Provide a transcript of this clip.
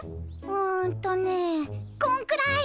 うんとねこんくらい。